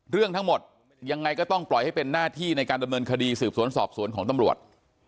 เรื่องทั้งหมดยังไงก็ต้องปล่อยให้เป็นหน้าที่ในการดำเนินคดีสืบสวนสอบสวนของตำรวจ